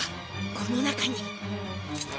この中に！